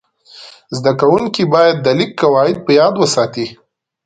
زده کوونکي باید د لیک قواعد په یاد وساتي.